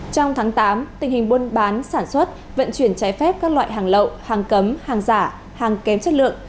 trong tháng tám tình hình buôn bán sản xuất vận chuyển trái phép các loại hàng lậu hàng cấm hàng giả hàng kém chất lượng